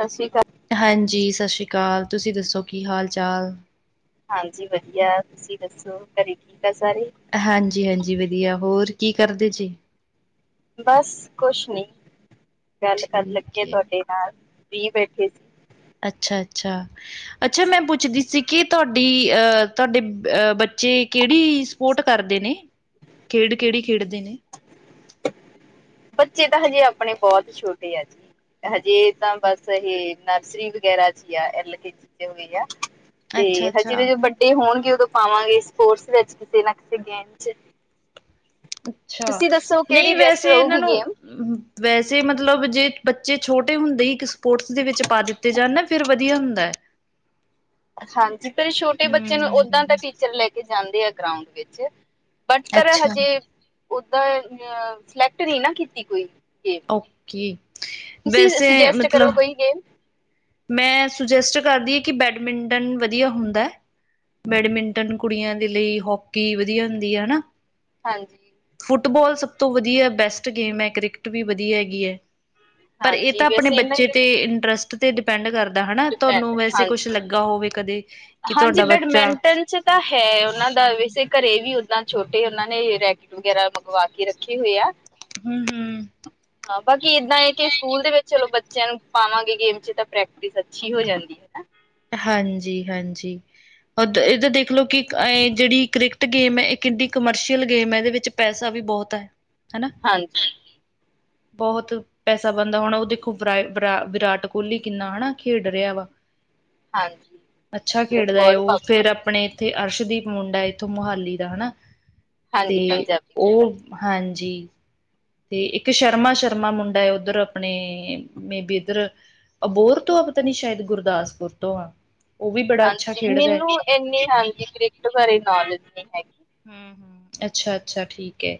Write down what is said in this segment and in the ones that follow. ਸਤਿ ਸ਼੍ਰੀ ਅਕਾਲ। ਹਾਂਜੀ ਸਤਿ ਸ਼੍ਰੀ ਅਕਾਲ ਤੁਸੀਂ ਦੱਸੋ ਕੀ ਹਾਲ -ਚਾਲ ਹਾਂਜੀ ਵਧੀਆ ਤੁਸੀ ਦਸੋ ਘਰੇ ਠੀਕ ਆ ਸਾਰੇ- ਹਾਂਜੀ- ਹਾਂਜੀ ਵਧੀਆ, ਹੋਰ ਕੀ ਕਰਦੇ ਜੀ। ਬਸ ਕੁਛ ਨੀ, ਗਲ ਕਰਨ ਠੀਕ ਲਗੇ ਏ। ਤੁਹਾਡੇ ਨਾਲ, ਫਰੀ ਬੈਠੇ ਸੀ। ਅਛਾ- ਅਛਾ- ਅਛਾ ਮੈ ਪੁੱਛਦੀ ਸੀ ਕਿ ਤੁਹਾਡੀ ਤੁਹਾਡੇ ਅਹ ਬੱਚੇ ਕਿਹੜੀ ਸਪੋਰਟ ਕਰਦੇ ਨੇ, ਖੇਡ ਕਿਹੜੀ ਖੇਡਦੇ ਨੇ ਬੱਚੇ ਤਾਂ ਹਜੇ ਆਪਣੇ ਬਹੁਤ ਛੋਟੇ ਆ ਜੀ। ਹਜੇ ਤਾਂ ਬਸ ਇਹ ਨਰਸਰੀ ਵਗੈਰਾ 'ਚ ਗਿਆ, ਐਲ ਕੇ ਜੀ ਚ ਨਹੀ ਗਿਆ ਤੇ ਹਜੇ ਅੱਛਾ-ਅੱਛਾ, ਜਦੋ ਵਡੇ ਹੋਣਗੇ ਉਦੋ ਪਾਵਾਂਗੇ ਸਪੋਰਟਸ ਵਿਚ, ਕਿਸੇ ਨਾ ਕਿਸੇ ਗੇਮ 'ਚ- ਅਛਾ, ਤੁਸੀਂ ਦੱਸੋ ਨਹੀ ਕਿਹੜੀ ਬੈਸਟ ਵੈਸੇ ਇਹਨਾਂ ਰਹੂਗੀ ਨੂੰ ਗੇਮ ਵੈਸੇ ਮਤਲਬ ਜੇ ਬੱਚੇ ਛੋਟੇ ਹੁੰਦੇ ਹੀ ਇਕ ਸਪੋਰਟਸ ਦੇ ਵਿਚ ਪਾ ਦਿਤੇ ਜਾਣ ਨਾ ਫੇਰ ਵਧੀਆ ਹੁੰਦਾ ਹੈ। ਹਾਂਜੀ ਪਰ ਛੋਟੇ ਬੱਚੇ ਨੂੰ ਓਦਾ ਹੂੰ, ਦਾ ਟੀਚਰ ਲੈ ਕੇ ਜਾਂਦੇ ਆ ਗਰਾਉਂਡ ਵਿਚ ਬਟ ਪਰ ਅੱਛਾ, ਹਜੇ ਓਦਾ ਅ ਸਿਲੈਕਟ ਨਹੀ ਨਾ ਕੀਤੀ ਕੋਈ ਓਕੇ। ਤੁਸੀ ਵੈਸੇ ਸੁਜੈਸਟ ਕਰੋ ਮਤਲਬ ਕੋਈ ਗੇਮ ਮੈਂ ਸੁਜੈਸਟ ਕਰਦੀ ਹਾਂ ਕਿ ਬੈਡਮਿੰਟਨ ਵਧੀਆ ਹੁੰਦਾ ਬੈਡਮਿੰਟਨ ਕੁੜੀਆਂ ਦੇ ਲਈ ਹਾਕੀ ਵਧੀਆ ਹੁੰਦੀ ਆ ਹਨਾ ਹਾਂਜੀ- ਫੁੱਟਬਾਲ ਸਭ ਤੋਂ ਵਧੀਆ ਬੈਸਟ ਗੇਮ ਹੈ। ਕ੍ਰਿਕਟ ਵੀ ਵਧੀਆ ਹੈਗੀ ਹੈ। ਪਰ ਇਹ ਹਾਂਜੀ ਤਾਂ ਆਪਣੇ ਵੈਸੇ ਇਹਨਾਂ ਬੱਚੇ ਤੇ ਇੰਟਰਸਟ ਤੇ ਡਿਪੈਂਡ ਕਰਦਾ ਹਨਾ ਤੁਹਾਨੂੰ ਡਿਪੈਂਡ ਵੈਸੇ ਕੁਛ ਹਾਂਜੀ ਲਗਾ ਹੋਵੇ ਕਦੇ ਕਿ ਹਾਂਜੀ ਤੁਹਾਡਾ ਬੱਚਾ ਬੈਡਮਿੰਟਨ 'ਚ ਤਾਂ ਹੈ ਉਹਨਾ ਦਾ ਵੈਸੇ ਘਰੇ ਵੀ ਓਦਾ ਛੋਟੇ ਉਹਨਾਂ ਨੇ ਰੈਕਟ ਵਗੈਰਾ ਮੰਗਵਾ ਕੇ ਰਖੇ ਹੋਏ ਆ ਹੂੰ- ਹੂੰ - ਹਾਂ ਬਾਕੀ ਏਦਾਂ ਏ ਕਿ ਸਕੂਲ ਦੇ ਵਿਚ ਚਲੋ ਬੱਚਿਆਂ ਨੂੰ ਪਾਵਾਂਗੇ ਗੇਮ 'ਚ ਤਾਂ ਪ੍ਰੈਕਟਿਸ ਅਛੀ ਹੋ ਜਾਦੀ ਹਾਂਜੀ- ਹਾਂਜੀ- ਇਹ ਦੇਖ ਲਓ ਕਿ ਇਹ ਜਿਹੜੀ ਕ੍ਰਿਕਟ ਗੇਮ ਹੈ। ਇਹ ਕਿੱਡੀ ਕਮਰਸ਼ੀਅਲ ਗੇਮ ਹੈ। ਇਹਦੇ ਵਿਚ ਪੈਸਾ ਵੀ ਬਹੁਤ ਹੈ। ਹਨਾ ਹਾਂਜੀ- ਹੈਲੋ ਬਹੁਤ ਪੈਸਾ ਬਣਦਾ ਹੁਣ ਉਹ ਦੇਖੋ ਵਿਰਾ ਵਿਰਾਟ ਕੋਹਲੀ ਕਿੰਨਾ ਹਨਾ ਖੇਡ ਰਿਹਾ ਵਾ ਹਾਂਜੀ ਅੱਛਾ ਖੇਡਦਾ ਹੈ ਬਹੁਤ ਉਹ ਪਾਪੂਲਰ ਫਿਰ ਆਪਣੇ ਉੱਥੇ ਅਰਸ਼ਦੀਪ ਮੁੰਡਾ ਇੱਥੋਂ ਮੋਹਾਲੀ ਦਾ ਹਨਾ ਤੇ ਹਾਂਜੀ ਪੰਜਾਬੀ ਮੁੰਡਾ ਉਹ ਹਾਂਜੀ ਤੇ ਇੱਕ ਸ਼ਰਮਾ ਸ਼ਰਮਾ ਮੁੰਡਾ ਹੈ ਉੱਧਰ ਆਪਣੇ ਮੇਬੀ ਇੱਧਰ ਅਬੋਰ ਤੋਂ ਆ ਪਤਾ ਨੀ ਸ਼ਾਇਦ ਗੁਰਦਾਸਪੁਰ ਤੋਂ ਆ ਉਹ ਵੀ ਬੜਾ ਅੱਛਾ ਹਾਂਜੀ ਖੇਡਦਾ ਹੈ। ਮੈਨੂੰ ਇੰਨੀ ਹਾਂਜੀ ਕ੍ਰਿਕੇਟ ਬਾਰੇ ਨੌਲੇਜ ਨਹੀਂ ਹੈਗੀ ਹਮ, ਹਮ ਅੱਛਾ- ਅੱਛਾ ਠੀਕ ਹੈ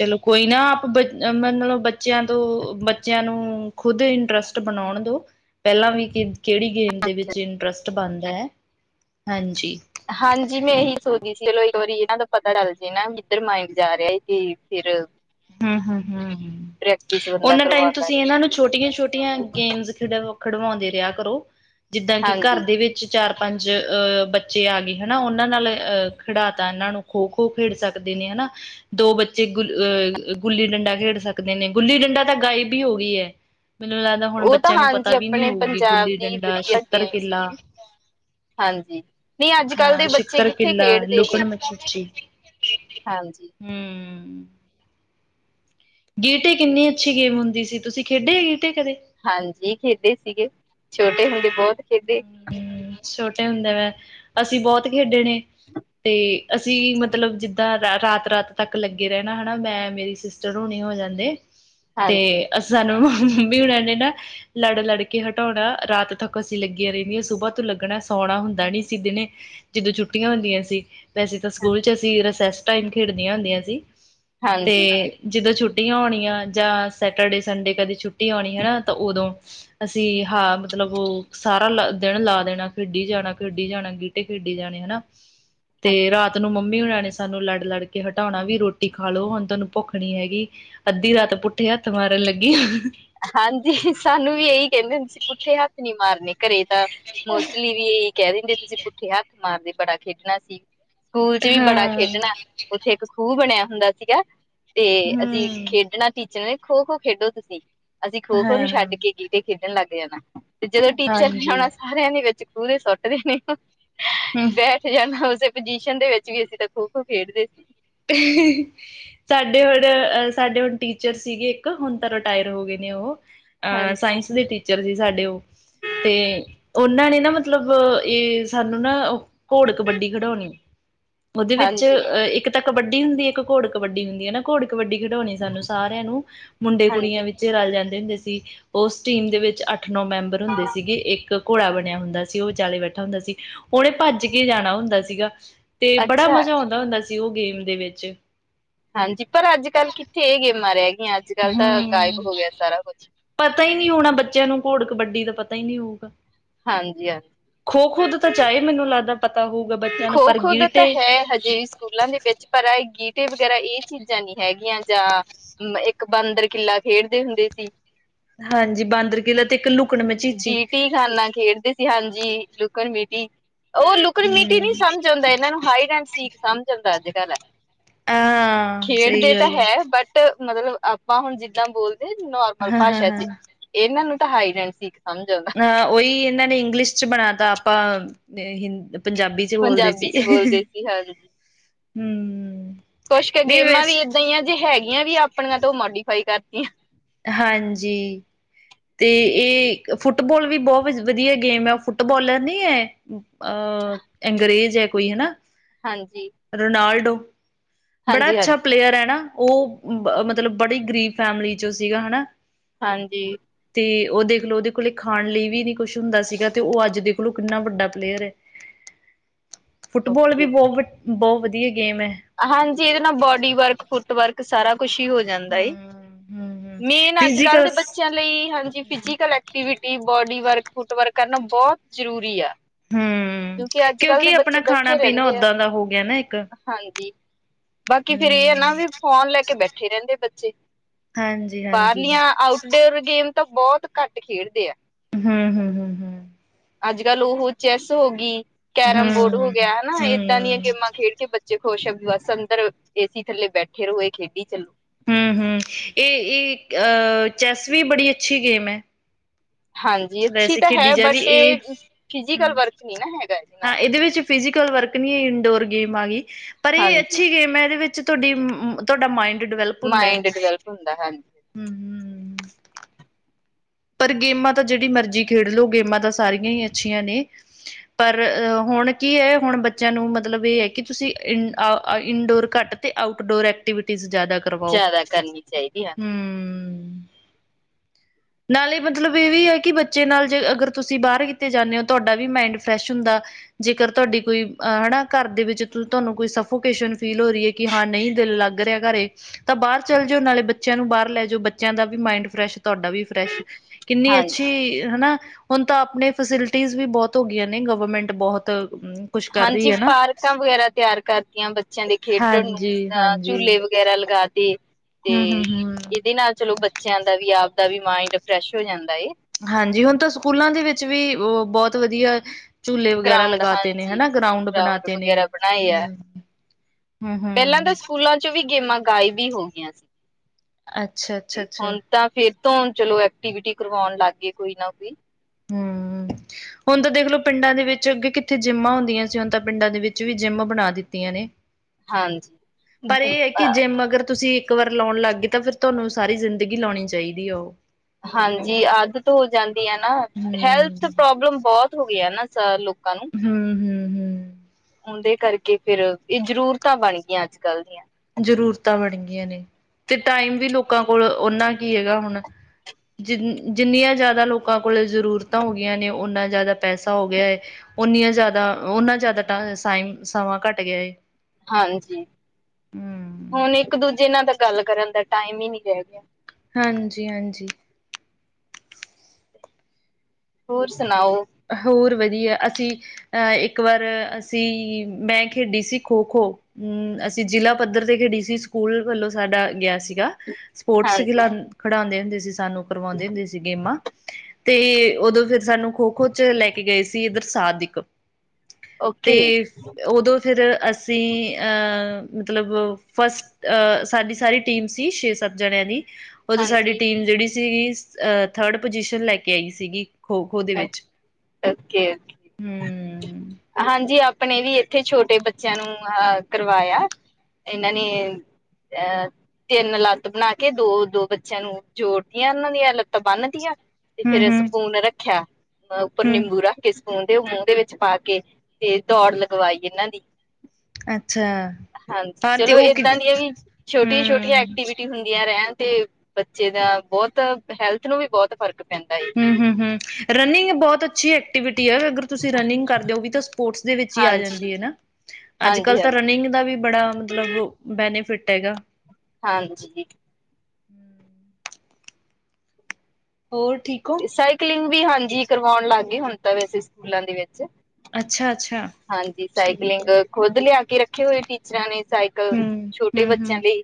ਚਲੋ ਕੋਈ ਨਾ ਆਪ ਬ ਮਤਲਬ ਬੱਚਿਆਂ ਤੋਂ ਬੱਚਿਆਂ ਨੂੰ ਖੁਦ ਇੰਟਰਸਟ ਬਣਾਉਣ ਦੋ ਪਹਿਲਾਂ ਵੀ ਕਿ ਕਿਹੜੀ ਗੇਮ ਦੇ ਵਿੱਚ ਇੰਟਰਸਟ ਬਣਦਾ ਹੈ, ਹਾਂਜੀ ਹਾਂਜੀ ਮੈਂ ਇਹੀ ਸੋਚਦੀ ਸੀ ਚਲੋ ਇੱਕ ਵਾਰੀ ਇਹਨਾਂ ਦਾ ਪਤਾ ਲਗ ਜਾਏ ਨਾ ਕਿੱਧਰ ਮਾਇੰਡ ਜਾ ਰਿਹਾ ਸੀ ਤੇ ਫਿਰ ਹਮ ਹਮ ਹਮ ਹ ਪ੍ਰੈਕਟਿਸ ਬੰਦਾ ਉਹਨਾਂ ਟਾਈਮ ਕਰਵਾਉਂਦਾ ਤੁਸੀਂ ਰਹੇ ਇਹਨਾਂ ਨੂੰ ਛੋਟੀਆਂ- ਛੋਟੀਆਂ ਗੇਮਸ ਖੇਡ ਖਿਡਵਾਉਂਦੇ ਰਿਹਾ ਕਰੋ ਜਿੱਦਾਂ ਕਿ ਘਰ ਹਾਂਜੀ ਦੇ ਵਿੱਚ ਚਾਰ ਪੰਜ ਅਹ ਬੱਚੇ ਆ ਗਏ ਹਨਾ, ਉਹਨਾਂ ਨਾਲ ਖਿਡਾਤਾ ਇਹਨਾਂ ਨੂੰ ਖੋ -ਖੋ ਉਹ ਖੇਡ ਸਕਦੇ ਨੇ ਹਨਾ, ਦੋ ਬੱਚੇ ਗੁ ਅਹ ਗੁੱਲੀ ਡੰਡਾ ਖੇਡ ਸਕਦੇ ਨੇ, ਗੁੱਲੀ ਡੰਡਾ ਤਾਂ ਗਾਇਬ ਹੀ ਹੋ ਗਈ ਹੈ। ਮੈਨੂੰ ਲੱਗਦਾ ਹੁਣ ਉਹ ਤਾਂ ਬੱਚਿਆਂ ਨੂੰ ਪਤਾ ਹਾਂਜੀ ਵੀ ਨਹੀਂ ਆਪਣੇ ਹੋਊਗੀ ਪੰਜਾਬ ਗੁੱਲੀ ਦੀ ਡੰਡਾ, ਵਧੀਆ ਸ਼ਿੱਤਰ ਗੇਮ ਕਿਲਾ ਸੀਗੀ ਹਾਂਜੀ ਨਹੀਂ ਅੱਜ -ਕੱਲ ਦੇ ਹਾਂ ਬੱਚੇ ਛਿੱਤਰ ਕਿੱਥੇ ਕਿੱਲਾ, ਖੇਡਦੇ ਹੈ, ਲੁਕਣ ਹਾਂਜੀ ਹਮ। ਗੀਟੇ ਕਿੰਨੀ ਅੱਛੀ ਗੇਮ ਹੁੰਦੀ ਸੀ, ਤੁਸੀਂ ਖੇਡੇ ਆ ਗੀਟੇ ਕਦੇ। ਹਾਂਜੀ ਖੇਡੇ ਸੀਗੇ, ਛੋਟੇ ਹੁੰਦੇ ਬਹੁਤ ਖੇਡੇ ਹਮ, ਛੋਟੇ ਹੁੰਦੇ ਵ ਅਸੀਂ ਬਹੁਤ ਖੇਡੇ ਨੇ, ਤੇ ਅਸੀਂ ਮਤਲਬ ਜਿੱਦਾਂ ਰਾਤ -ਰਾਤ ਤੱਕ ਲੱਗੇ ਰਹਿਣਾ ਹਨਾ, ਮੈਂ, ਮੇਰੀ ਸਿਸਟਰ ਹੁਣੀ ਹੋ ਜਾਂਦੇ ਤੇ ਹਾਂਜੀ ਸਾਨੂੰ ਮੰਮੀ ਨੇ ਨਾ ਲੜ- ਲੜਕੇ ਹਟਾਉਣਾ ਰਾਤ ਤੱਕ ਲੱਗੀਆਂ ਰਹਿੰਦੀਆਂ ਸੁਬਾਹ ਤੋਂ ਲੱਗਣਾ ਸੋਣਾ ਹੁੰਦਾ ਨੀ ਸੀ ਦਿਨੇ, ਜਦੋਂ ਛੁੱਟੀਆਂ ਹੁੰਦੀਆਂ ਸੀ ਵੈਸੇ ਤਾਂ ਸਕੂਲ ਚ ਅਸੀਂ ਰਸੈਸ ਟਾਈਮ ਖੇਡਦੀਆਂ ਹੁੰਦੀਆਂ ਸੀ ਤੇ ਹਾਂਜੀ ਜਦੋਂ ਛੁੱਟੀਆਂ ਹੋਣੀਆਂ ਜਾਂ ਸੈਟਰਡੇ ਸੰਡੇ ਕਦੇ ਛੁੱਟੀ ਹੋਣੀ ਹਨਾ ਤਾਂ ਉਦੋਂ ਅਸੀਂ ਹਾਂ ਮਤਲਬ ਉਹ ਸਾਰਾ ਲ ਦਿਨ ਲਾ ਦੇਣਾ, ਖੇਡੀ ਜਾਣਾ -ਖੇਡੀ ਜਾਣਾ, ਗੀਟੇ ਖੇਡੀ ਜਾਣੇ ਹਨਾ ਹਾਂ ਤੇ ਰਾਤ ਨੂੰ ਮੰਮੀ ਹੁਣਾ ਨੇ ਸਾਨੂੰ ਲੜ -ਲੜ ਕੇ ਹਟਾਉਣਾ ਵੀ ਰੋਟੀ ਖਾ ਲੋ ਹੁਣ ਤੁਹਾਨੂੰ ਭੁੱਖ ਨਹੀਂ ਹੈਗੀ ਅੱਧੀ ਰਾਤ ਪੁੱਠੇ ਹੱਥ ਮਾਰਨ ਲੱਗੀ ਹਾਂਜੀ ਸਾਨੂੰ ਵੀ ਇਹੀ ਕਹਿੰਦੇ ਅਸੀਂ ਪੁੱਠੇ ਹੱਥ ਨੀ ਮਾਰਨੇ ਘਰੇ ਤਾਂ ਮੋਸਟਲੀ ਵੀ ਇਹੀ ਕਹਿ ਦਿੰਦੇ ਤੁਸੀਂ ਪੁੱਠੇ ਹੱਥ ਮਾਰਦੇ ਬੜਾ ਖੇਡਣਾ ਸੀ, ਸਕੂਲ ਚ ਵੀ ਬੜਾ ਹਾਂ ਖੇਡਣਾ ਉੱਥੇ ਇੱਕ ਖੂਹ ਬਣਿਆ ਹੁੰਦਾ ਸੀਗਾ, ਤੇ ਅਸੀਂ ਹਮ ਖੇਡਣਾ ਟੀਚਣ ਖੋ -ਖੋ ਖੇਡੋ ਤੁਸੀਂ, ਅਸੀਂ ਖੋ- ਖੋ ਹਾਂ ਨੂੰ ਛੱਡ ਕੇ, ਗੀਟੇ ਖੇਡਣ ਲੱਗ ਜਾਣਾ ਤੇ ਜਦੋਂ ਟੀਚਰ ਨੇ ਹਾਂਜੀ ਆਉਣਾ ਸਾਰਿਆਂ ਨੇ ਖੂਹ ਵਿੱਚ ਸੁੱਟਦੇ ਨੇ ਹਮ ਬੈ ਥੇ ਜਾਣਾ ਉਸੇ ਪੁਜੀਸ਼ਨ ਦੇ ਵਿੱਚ ਵੀ ਅਸੀਂ ਤਾਂ ਖੋ -ਖੋ ਖੇਡਦੇ ਸੀ ਹ ਸਾਡੇ ਹੁਣ ਅ ਸਾਡੇ ਹੁਣ ਟੀਚਰ ਸੀਗੇ ਇੱਕ ਹੁਣ ਤਾਂ ਰਿਟਾਇਰ ਹੋ ਗਏ ਨੇ ਉਹ ਅ ਹਾਂਜੀ ਸਾਇੰਸ ਦੇ ਟੀਚਰ ਸੀ ਸਾਡੇ ਉਹ, ਤੇ ਉਹਨਾਂ ਨੇ ਨਾ ਮਤਲਬ ਇਹ ਸਾਨੂੰ ਨਾ ਘੋੜ ਕਬੱਡੀ ਖਿਡਾਉਣੀ ਉਹਦੇ ਵਿੱਚ ਹਾਂਜੀ ਅਹ ਇੱਕ ਤਾਂ ਕਬੱਡੀ ਹੁੰਦੀ ਹੈ ਇੱਕ ਘੋੜ ਕਬੱਡੀ ਹੁੰਦੀ ਹੈ ਨਾ। ਘੋੜ ਕਬੱਡੀ ਖਿਡਾਉਣੀ ਸਾਨੂੰ ਸਾਰਿਆਂ ਨੂੰ, ਮੁੰਡੇ ਕੁੜੀਆਂ ਹਾਂਜੀ ਵਿੱਚ ਰਲ ਜਾਂਦੇ ਹੁੰਦੇ ਸੀ। ਉਸ ਟੀਮ ਦੇ ਵਿੱਚ ਅੱਠ- ਨੌ ਮੈਂਬਰ ਹੁੰਦੇ ਸੀਗੇ, ਇੱਕ ਘੋੜਾ ਬਣਿਆ ਹੁੰਦਾ ਸੀ, ਉਹ ਵਿਚਾਲੇ ਬੈਠਾ ਹੁੰਦਾ ਸੀ। ਉਹਨੇ ਭੱਜ ਕੇ ਜਾਣਾ ਹੁੰਦਾ ਸੀਗਾ ਤੇ ਬੜਾ ਅੱਛਾ ਮਜ਼ਾ ਆਉਂਦਾ ਹੁੰਦਾ ਸੀ ਉਹ ਗੇਮ ਦੇ ਵਿੱਚ। ਹਾਂਜੀ, ਪਰ ਅੱਜ- ਕੱਲ੍ਹ ਕਿੱਥੇ ਇਹ ਗੇਮਾਂ ਰਹਿ ਗਈਆ, ਅੱਜ- ਕੱਲ੍ਹ ਤਾਂ ਹੂੰ ਗਾਇਬ ਹੋ ਗਿਆ ਸਾਰਾ ਕੁਛ। ਪਤਾ ਹੀ ਨਹੀਂ ਹੋਣਾ ਬੱਚਿਆਂ ਨੂੰ ਘੋੜ ਕਬੱਡੀ ਦਾ ਪਤਾ ਹੀ ਨਹੀਂ ਹੋਊਗਾ ਹਾਂਜੀ- ਹਾਂਜੀ ਖੋ- ਖੋ ਦਾ ਤਾਂ ਚਾਹੇ ਮੈਨੂੰ ਲੱਗਦਾ ਪਤਾ ਹੋਊਗਾ ਬੱਚਿਆਂ ਨੂੰ, ਖੋ ਪਰ ਖੋ ਦਾ ਤਾਂ ਗੀਟੇ ਹੈ ਹਜੇ ਵੀ ਸਕੂਲਾਂ ਦੇ ਵਿੱਚ ਪਰ ਇਹ ਗੀਟੇ ਵਗੈਰਾ ਇਹ ਚੀਜ਼ਾਂ ਨੀ ਹੈਗੀਆਂ ਜਾਂ ਇੱਕ ਬਾਂਦਰ ਕਿੱਲਾ ਖੇਡਦੇ ਹੁੰਦੇ ਸੀ ਹਾਂਜੀ ਬਾਂਦਰ ਕਿਲ੍ਹ ਤੇ ਇੱਕ ਲੁ ਡੀਟੀ ਖਾਨਾ ਖੇਡਦੇ ਸੀ ਹਾਂਜੀ, ਲੁਕਣ ਮੀਟੀ ਉਹ ਲੁਕਣ ਮੀਟੀ ਨੀ ਹੂੰ ਸਮਝ ਆਉਂਦਾ ਇਹਨਾਂ ਨੂੰ ਹਾਈਡ ਐਂਡ ਸੀਕ ਸਮਝ ਆਉਂਦਾ ਅੱਜ ਕਲ ਹਾਂ ਸਹੀ ਖੇਡਦੇ ਤਾਂ ਗੱਲ ਹੈ ਬਟ ਮਤਲਬ ਆਪਾਂ ਹੁਣ ਜਿੱਦਾਂ ਬੋਲਦੇ ਨੋਰਮਲ ਹਾਂ ਹਾਂ ਭਾਸ਼ਾ ਚ ਹਾਂ। ਇਹਨਾਂ ਨੂੰ ਤਾਂ ਹੈ ਈ ਜਾਣੀ ਸੀ। ਸਮਝੋ। ਹਾਂ ਉਹੀ ਇਹਨਾਂ ਨੇ ਇੰਗਲਿਸ਼ ਚ ਬਣਾ ਤਾ ਆਪਾਂ ਹਿੰਦੀ, ਪੰਜਾਬੀ [unintelligible] ਬੋਲਦੇ ਸੀ ਪੰਜਾਬੀ ਚ ਬੋਲਦੇ ਸੀ ਹਾਂਜੀ ਹਮ ਕੁਛ ਕੁ ਗੇਮਾਂ ਵੀ ਏਦਾਂ ਹੀ ਆ ਜੇ ਹੈਗੀਆਂ ਵੀ ਆਪਣੀਆਂ ਤਾਂ ਉਹ ਮੋਡੀਫਾਈ ਕਰਤੀਆਂ ਹਾਂਜੀ। ਤੇ ਇਹ ਫੁੱਟਬਾਲ ਵੀ ਬਹੁਤ ਵਧੀਆ ਗੇਮ ਐ, ਉਹ ਫੁੱਟਬਾਲਰ ਨਈਂ ਏ। ਅਹ ਅੰਗਰੇਜ਼ ਏ ਕੋਈ ਹਨਾਂ। ਹਾਂਜੀ। ਰੋਨਾਲਡੋ, ਬੜਾ ਹਾਂਜੀ ਅੱਛਾ ਹਾਂਜੀ ਪਲੇਅਰ ਐਨਾਂ ਉਹ ਮ ਮਤਲਬ ਬੜੀ ਗ਼ਰੀਬ ਫੈਮਿਲੀ ਚੋਂ ਸੀਗਾ ਹਨਾਂ। ਹਾਂਜੀ। ਤੇ ਉਹ ਦੇਖਲੋ ਉਹਦੇ ਕੋਲ ਖਾਣ ਲਈ ਵੀ ਨੀਂ ਕੁਛ ਹੁੰਦਾ ਸੀਗਾ। ਤੇ ਉਹ ਅੱਜ ਦੇਖ ਲੋ ਕਿੰਨਾ ਵੱਡਾ ਪਲੇਅਰ ਐ। ਫੁੱਟਬਾਲ ਵੀ ਓਕੇ ਬਹੁਤ, ਬਹੁਤ ਵਧੀਆ ਗੇਮ ਐ। ਹਾਂਜੀ, ਇਹਦੇ ਨਾਲ ਬੋਡੀ ਵਰਕ ਫੁੱਟ ਵਰਕ ਸਾਰਾ ਕੁਛੀ ਹੋ ਜਾਂਦਾ, ਹਮ ਹਮ ਹਮ ਮੇਨ ਅੱਜ-ਕੱਲ੍ਹ ਫਿਜ਼ੀਕਲ ਦੇ ਬੱਚਿਆਂ ਨੂੰ ਲਈ ਹਾਂਜੀ, physical activity, body work, foot work ਕਰਨਾ ਬਹੁਤ ਜ਼ਰੂਰੀ ਆ। ਹਮ ਕਿਉਂਕਿ ਅੱਜ-ਕੱਲ੍ਹ ਦੇ ਬੱਚੇ ਆਪਣਾ ਖਾਣਾ ਬੈਠੇ ਪੀਣਾ ਰਹਿੰਦੇ ਆ। ਓਦਾਂ ਦਾ ਹੋ ਗਿਆ ਨਾ ਇੱਕ ਹਾਂਜੀ, ਬਾਕੀ ਫੇਰ ਇਹ ਹਮ ਐ ਨਾਂ ਵੀ ਫੋਨ ਲੈ ਕੇ ਬੈਠੇ ਰਹਿੰਦੇ ਬੱਚੇ ਹਾਂਜੀ ਹਾਂਜੀ ਬਾਹਰਲੀਆਂ, ਆਊਟਡੋਰ ਗੇਮ ਤਾਂ ਬਹੁਤ ਘੱਟ ਖੇਡਦੇ ਆ। ਹਂ, ਹਂ, ਹਂ, ਹਂ ਅੱਜ-ਕੱਲ੍ਹ ਉਹ ਚੈਸ ਹੋ ਗਈ, ਕੈਰਮ ਬੋਰਡ ਹੋ ਹਮ ਗਿਆ ਹਨਾਂ। ਏਦਾਂ ਦੀਆਂ ਹਮ ਗੇਮਾਂ ਖੇਡ ਕਿ ਬੱਚੇ ਖੁਸ਼ ਐ ਬਸ ਅੰਦਰ ਏਸੀ ਥੱਲੇ ਬੈਠੇ ਰੋਹੇ ਖੇਡੀ ਚੱਲੋ। ਹਂ, ਹਂ ਇਹ ਚੈੱਸ ਵੀ ਬੜੀ ਅੱਛੀ ਗੇਮ ਐ। ਹਾਂਜੀ ਅੱਛੀ ਵੈਸੇ ਤਾਂ ਖੇਡੀ ਹੈ ਜਾ ਵੀ ਬਟ ਇਹ ਹਂ, ਫਿਜੀਕਲ ਵਰਕ ਨੀ ਨਾ ਹੈਗਾ ਹਾਂ ਨਾਲ ਇਹਦੇ ਵਿੱਚ ਫਿਜ਼ਕਲ ਵਰਕ ਨਈਂ ਏ, ਇਨਡੋਰ ਗੇਮ ਆ ਗਈ, ਪਰ ਇਹ ਹਾਂਜੀ ਅੱਛੀ ਗੇਮ ਐ ਇਹਦੇ ਵਿੱਚ ਤੁਹਾਡੀ ਮਮ ਤੁਹਾਡਾ ਮਾਈੰਡ ਡਿਵੈਲਪ ਮਾਇੰਡ ਡਿਵੈਲਪ ਹੁੰਦਾ ਹਾਂਜੀ। ਹਂ, ਹਂ, ਹਂ ਪਰ ਗੇਮਾਂ ਤਾਂ ਜਿਹੜੀ ਮਰਜ਼ੀ ਖੇਡ ਲਓ, ਗੇਮਾਂ ਤਾਂ ਸਾਰੀਆਂ ਹੀ ਅੱਛੀਆਂ ਨੇਂ। ਪਰ ਅ ਹੁਣ ਕੀ ਏ?, ਹੁਣ ਬੱਚਿਆਂ ਨੂੰ ਮਤਲਬ ਇਹ ਐ ਕਿ ਤੁਸੀਂ ਇਨ ਇ ਆ ਆ ਇਨਡੋਰ ਘੱਟ ਤੇ ਆਊਟਡੋਰ ਐਕਟੀਵਿਟੀਜ਼ ਜਿਆਦਾ ਕਰਵਾਓ। ਜ਼ਿਆਦਾ ਕਰਨੀ ਚਾਹੀਦੀ ਹਾਂਜੀ ਹਂ। ਨਾਲੇ ਮਤਲਬ ਇਹ ਵੀ ਐ ਕਿ ਬੱਚੇ ਨਾਲ ਜੇ ਅਗਰ ਤੁਸੀਂ ਬਾਹਰ ਕਿਤੇ ਜਾਂਦੇ ਹੋ, ਤੁਹਾਡਾ ਵੀ ਮਾਇਂਡ ਫਰੈਸ਼ ਹੁੰਦਾ। ਜੇਕਰ ਤੁਹਾਡੀ ਕੋਈ ਹਨਾਂ। ਘਰ ਦੇ ਵਿੱਚ ਤੁਹਾਨੂੰ ਕੋਈ ਸਫੋਕੇਸ਼ਨ ਫੀਲ ਹੋ ਰਹੀ ਐ ਕਿ ਹਾਂ, ਨਈਂ ਦਿਲ ਲੱਗ ਰਿਹਾ ਘਰੇ। ਤਾਂ ਬਾਹਰ ਚੱਲ ਜਾਓ, ਨਾਲੇ ਬੱਚਿਆਂ ਨੂੰ ਬਾਹਰ ਲੈ ਜਾਓ। ਬੱਚਿਆਂ ਦਾ ਵੀ ਮਾਇੰਡ ਫਰੈਸ਼ ਤੁਹਾਡਾ ਵੀ ਫਰੈਸ਼। ਕਿੰਨੀ ਹਾਂਜੀ ਅੱਛੀ ਹਨਾਂ। ਹੁਣ ਤਾਂ ਆਪਣੇ ਫੈਸਿਲਿਟੀਜ਼ ਵੀ ਬਹੁਤ ਹੋ ਗਈਆਂ ਨੇਂ, ਗਵਰਮੈਂਟ ਬਹੁਤ ਕੁਛ ਕਰ ਰਹੀ ਹਾਂਜੀ ਹੈ ਨਾ ਪਾਰਕਾਂ ਵਗੈਰਾ ਤਿਆਰ ਕਰਤੀਆਂ ਬੱਚਿਆਂ ਦੇ ਖੇਡਣ ਨੂੰ ਹਾਂਜੀ ਅ ਹਾਂਜੀ ਝੂਲੇ ਵਗ ਵਗੈਰਾ ਲਗਾ ਤੇ, ਹਮ ਹਮ ਤੇ ਹਮ ਦੇ ਨਾਲ ਚਲੋ ਬੱਚਿਆਂ ਦਾ ਵੀ, ਆਪ ਦਾ ਵੀ ਮਾਇੰਡ ਫਰੈਸ਼ ਹੋ ਜਾਂਦਾ ਏ। ਹਾਂਜੀ, ਹੁਣ ਤਾਂ ਸਕੂਲਾਂ ਦੇ ਵਿੱਚ ਵੀ ਉਹ ਬਹੁਤ ਵਧੀਆ ਝੂਲੇ ਵਗੈਰਾ ਗਰਾਊਂਡ ਲਗਾਤੇ ਨੇਂ ਹਾਂਜੀ ਹਨਾਂ! ਗਰਾਊਂਡ ਬਣਾਤੇ ਨੇਂ। ਵਗੈਰਾ ਬਣਾਏ ਹਂ। ਆ ਹਂ, ਹਂ। ਪਹਿਲਾਂ ਤਾਂ ਸਕੂਲਾਂ ਚ ਵੀ ਗੇਮਾਂ ਗਾਇਬ ਈ ਹੋ ਗਈਆਂ ਅੱਛਾ ਅੱਛਾ ਸੀ। ਅੱਛਾ ਹੁਣ ਤਾਂ ਫੇਰ ਤੋਂ ਚਲੋ ਐਕਟੀਵਿਟੀ ਕਰਵਾਉਣ ਲੱਗ ਗਏ ਕੋਈ ਨਾਂ ਕੋਈ। ਹਂ ਹੁਣ ਤਾਂ ਦੇਖ ਲਓ ਪਿੰਡਾਂ ਦੇ ਵਿੱਚ ਅੱਗੇ ਕਿੱਥੇ ਜਿੰਮਾਂ ਹੁੰਦੀਆਂ ਸੀ, ਹੁਣ ਤਾਂ ਪਿੰਡਾਂ ਦੇ ਵਿੱਚ ਵੀ ਜਿੰਮ ਬਣਾ ਦਿੱਤੀਆਂ ਨੇਂ। ਪਰ ਹਾਂਜੀ ਇਹ ਹੈ ਕਿ, ਜਿੰਮ ਅਗਰ ਤੁਸੀ ਇੱਕ ਵਾਰ ਲਾਉਣ ਲੱਗ ਗਏ ਤਾਂ, ਫਿਰ, ਤੁਹਾਨੂੰ ਸਾਰੀ ਜ਼ਿੰਦਗੀ ਲਾਉਣੀ ਚਾਹੀਦੀ ਆ ਉਹ। ਹਾਂਜੀ। ਆਦਤ ਹੋ ਜਾਂਦੀ ਆ, ਨਾ, ਹਮ ਹੈਲਥ ਪ੍ਰੋਬਲਮ ਬਹੁਤ ਹੋਗਿਆ ਨਾ, ਸਾਰ ਲੋਕਾਂ ਨੂੰ। ਜਲ ਦੀਏ ਓਂਹਦੇ ਕਰਕੇ ਫਿਰ, ਇਹ ਜਰੂਰਤਾਂ ਬਣ ਗਈਆਂ ਅੱਜ-ਕੱਲ ਦੀਆਂ। ਜ਼ਰੂਰਤਾਂ ਬਣ ਗਈਆਂ ਨੇ, ਤੇ ਟਾਈਮ ਵੀ ਲੋਕਾਂ ਕੋਲ ਉਨਾ ਕੀ ਹੈਗਾ ਹੁਣ। ਜਿ, ਜਿੰਨੀਆਂ ਜ਼ਿਆਦਾ ਲੋਕਾਂ ਕੋਲ ਜ਼ਰੂਰਤਾਂ ਹੋ ਗਈਆਂ ਨੇ, ਓਨਾ ਜ਼ਿਆਦਾ ਪੈਸਾ ਹੋ ਗਿਆ ਏ। ਉਹਨੀਆਂ ਜ਼ਿਆਦਾ, ਓਨਾ ਜ਼ਿਆਦਾ ਟਾਇ ਸਮਾਂ ਘੱਟ ਗਿਆ ਏ। ਹਾਂਜੀ। ਹੂੰ। ਹੁਣ ਇੱਕ-ਦੂਜੇ ਨਾਲ ਤਾਂ ਗੱਲ ਕਰਨ ਦਾ ਟਾਈਮ ਹੀ ਨੀ ਰਹਿ ਗਿਆ। ਹਾਂਜੀ-ਹਾਂਜੀ। ਹੋਰ, ਸੁਣਾਓ? ਹੋਰ, ਵਧੀਆ, ਅਸੀਂ ਅਹ, ਇੱਕ ਵਾਰ ਅਸੀਂ, ਮੈਂ ਖੇਡੀ ਸੀ ਖੋ-ਖੋ। ਹੂੰ, ਅਸੀਂ ਜ਼ਿਲ੍ਹਾ ਪੱਧਰ ਤੇ ਖੇਡੀ ਸੀ, ਸਕੂਲ ਵੱਲੋਂ ਸਾਡਾ ਗਿਆ ਸੀਗਾ। ਸਪੋਰਟਸ ਹਾਂਜੀ ਖਿਲਾ ਖਿਡਾਉਂਦੇ ਹੁੰਦੇ ਸੀ ਸਾਨੂੰ, ਕਰਵਾਉਂਦੇ ਹੁੰਦੇ ਸੀ ਗੇਮਾਂ। ਤੇ, ਉਦੋਂ ਫਿਰ ਸਾਨੂੰ ਖੋ-ਖੋ'ਚ ਲੈਕੇ ਗਏ ਸੀ ਇਧਰ ਸਾਧਿਕ। ਤੇ ਓਕੇ ਉਦੋਂ ਫਿਰ, ਅਸੀਂ, ਅਂ, ਮਤਲਬ, ਫਸਟ ਸਾਡੀ ਸਾਰੀ ਟੀਮ ਸੀ ਛੇ-ਸੱਤ ਜਣਿਆਂ ਦੀ, ਉਦੋਂ ਸਾਡੀ ਹਾਂਜੀ ਟੀਮ ਜਿਹੜੀ ਸੀਗੀ, ਅਹ ਥਰਡ ਪੋਜੀਸ਼ਨ ਲੈਕੇ ਆਈ ਸੀਗੀ ਖੋ-ਖੋ ਦੇ ਓਕੇ ਵਿੱਚ। ਓਕੇ। ਹੂੰ। ਹਾਂਜੀ, ਆਪਣੇ ਵੀ ਇੱਥੇ ਛੋਟੇ ਬੱਚਿਆਂ ਨੂੰ ਅਂਹ ਕਰਵਾਇਆ। ਇਹਨਾਂ ਨੇ ਅਂ ਤਿੰਨ ਲੱਤ ਬਣਾਕੇ ਦੋ-ਦੋ ਬੱਚਿਆਂ ਨੂੰ ਜੋੜਦੀਆਂ ਉਹਨਾਂ ਦੀਆਂ ਲੱਤਾਂ, ਬੰਨਤੀਆਂ। ਤੇ ਹੂੰ ਫਿਰ ਹੂੰ ਸਪੂਨ ਰੱਖਿਆ, ਉੱਪਰ ਹੂੰ ਨਿੰਬੂ ਰੱਖਕੇ ਸਪੂਨ ਦੇ ਉਹ ਮੂੰਹ ਦੇ ਵਿੱਚ ਤੇ, ਪਾਕੇ ਫਿਰ ਦੌੜ ਲਗਵਾਈ ਇਹਨਾਂ ਦੀ। ਅੱਛਾ ਹਾਂਜੀ। ਹਾਂ ਤੇ ਚਲੋ, ਉਹ ਕਿ ਏਦਾਂ ਹੂੰ ਦੀਆਂ ਵੀ ਛੋਟੀਆਂ-ਛੋਟੀਆਂ ਐਕਟੀਵਿਟੀ ਹੁੰ ਦੀਆਂ ਰਹਿਣ ਤੇ, ਬੱਚੇ ਦਾ ਬਹੁਤ ਹੈਲਥ ਨੂੰ ਵੀ ਬਹੁਤ ਫ਼ਰਕ ਪੈਂਦਾ ਏ ਹੂੰ, ਹੂੰ, ਹੂੰ ਰਨਿੰਗ ਬਹੁਤ ਅੱਛੀ ਐਕਟੀਵਿਟੀ ਆ, ਅਗਰ ਤੁਸੀਂ ਰਨਿੰਗ ਕਰਦੇ ਹੋ, ਉਹ ਵੀ ਤਾਂ ਸਪੋਰਟਸ ਦੇ ਵਿੱਚ ਹੀ ਆ ਹਾਂਜੀ ਜਾਂਦੀ ਹੈਨਾ। ਅੱਜ-ਕੱਲ ਹਾਂਜੀ ਤਾਂ ਹਾਂਜੀ ਰਨਿੰਗ ਦਾ ਵੀ ਬੜਾ, ਮਤਲਬ ਬੈਨੀਫਿਟ ਹੈਗਾ। ਹਾਂਜੀ। ਹੋਰ, ਠੀਕ ਓਂ? ਸਾਈਕਲੀੰਗ ਵੀ ਹਾਂਜੀ ਕਰਵਾਉਣ ਲੱਗ ਗਏ, ਹੁਣ ਤਾਂ ਵੈਸੇ ਸਕੂਲਾਂ ਦੇ ਵਿੱਚ। ਅੱਛਾ-ਅੱਛਾ। ਹਾਂਜੀ, ਸਾਈਕਲਿੰਗ ਖੁਦ ਲਿਆਕੇ ਰੱਖੇ ਹੋਏ ਟੀਚਰਾਂ ਨੇ ਸਾਈਕਲ। ਹਮ ਛੋਟੇ ਹਮ ਹਮ ਬੱਚਿਆਂ ਲਈ,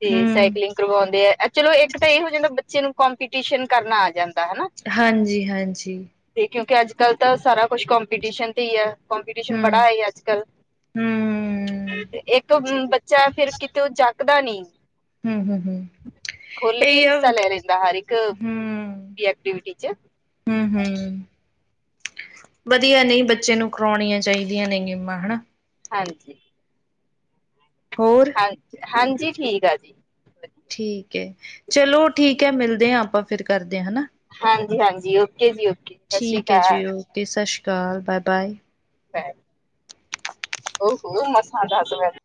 ਤੇ ਹਮ ਸਾਈਕਲਿੰਗ ਕਰਵਾਉਂਦੇ ਆ। ਚਲੋ ਇੱਕ ਤਾ ਇਹ ਹੋ ਜਾਂਦਾ, ਬੱਚੇ ਨੂੰ ਕੋਂਪੀਟੀਸ਼ਨ ਕਰਨਾ ਆ ਜਾਂਦਾ ਹਨਾ। ਹਾਂਜੀ-ਹਾਂਜੀ। ਤੇ, ਕਿਉਂਕਿ ਅੱਜ-ਕੱਲ ਤਾਂ ਸਾਰਾ ਕੁਛ ਕੌਂਪੀਟੀਸ਼ਨ ਤੇ ਹੀ ਆ, ਕੋਂਪੀਟੀਸ਼ਨ ਹਮ ਬੜਾ ਹਾਈ ਆ। ਅਜ-ਕੱਲ ਹਮ ਇੱਕ ਬੱਚਾ ਫਿਰ, ਕਿਤੇ ਓ ਚੱਕਦਾ ਨੀ। ਹੂੰ, ਹੂੰ, ਹੂੰ ਖੁੱਲਕੇ ਹਿੱਸਾ ਲੈ ਲੀੰਦਾ, ਹਰ ਇੱਕ ਐਕਟੀਵੀਟ'ਚ। ਹੂੰ, ਹੂੰ ਵਧੀਆ ਨਹੀਂ, ਬੱਚੇ ਨੂੰ ਕਰਾਉਣੀਆਂ ਚਾਹੀਦੀਆਂ ਨੇ ਗੇਮਾਂ ਹਣਾ। ਹਾਂਜੀ ਹੋਰ ਹਾਂਜੀ ਠੀਕ ਆ ਜੀ ਠੀਕ ਹੈ ਚਲੋ ਠੀਕ ਹੈ ਮਿਲਦੇ ਹਾਂ ਆਪਾਂ ਫਿਰ ਕਰਦੇ ਹਾਂ ਹਨਾ ਹਾਂਜੀ ਹਾਂਜੀ ਓਕੇ ਜੀ ਓਕੇ ਸਤਿ ਸ਼੍ਰੀ ਠੀਕ ਹੈ ਜੀ, ਅਕਾਲ। ਓਕੇ, ਸਤਿ ਸ਼੍ਰੀ ਅਕਾਲ। ਬਾਏ-ਬਾਏ। ਪੈ ਮਸਾਾਂਦਾ